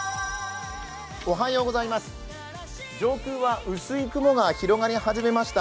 上空は薄い雲が広がり始めました。